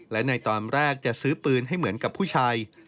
และในตอนแรกจะซื้อปืนให้เหมือนกับผู้ชาย